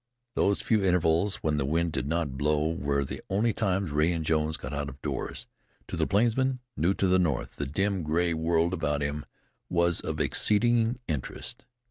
Those few intervals when the wind did not blow were the only times Rea and Jones got out of doors. To the plainsman, new to the north, the dim gray world about him was of exceeding interest.